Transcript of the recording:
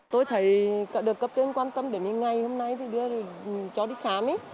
tôi thấy được các doanh nghiệp quan tâm đến ngày hôm nay cho đi khám